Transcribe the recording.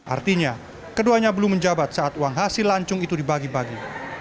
artinya keduanya belum menjabat saat uang hasil lancung itu dibagi bagi